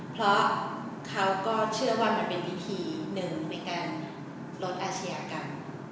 เพราะเขาก็เชื่อว่ามันเป็นวิธีหนึ่งในการลดอาชียกัน